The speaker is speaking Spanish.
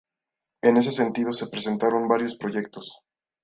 En ese sentido se presentaron varios proyectos.